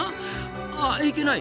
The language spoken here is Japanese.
あいけない！